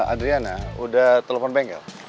adriana udah telepon bengkel